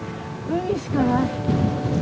海しかない。